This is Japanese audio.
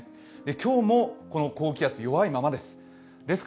今日もこの高気圧、弱いままです。